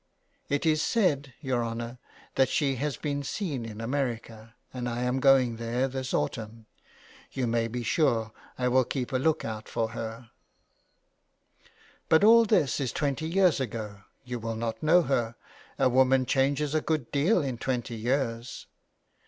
" It is said, your honour, that she's been seen in America, and I am going there this autumn. You may be sure I will keep a look out for her." 219 JULIA CAMILL'S CURSE, '* But all this is twenty years ago. You will not know her. A woman changes a good deal in twenty years."